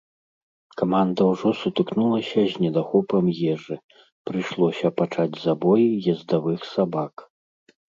Каманда ўжо сутыкнулася з недахопам ежы, прыйшлося пачаць забой ездавых сабак.